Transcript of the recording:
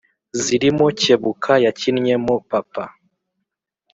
zirimo kebuka yakinnyemo papa